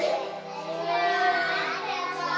ini kita mau muntah